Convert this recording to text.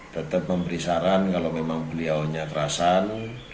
tetap memberi saran kalau memang beliaunya kerasan